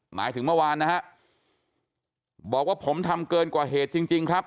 หมายถึงเมื่อวานนะฮะบอกว่าผมทำเกินกว่าเหตุจริงครับ